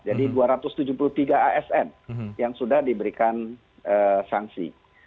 jadi dua ratus tujuh puluh tiga asn yang sudah diberikan sanksi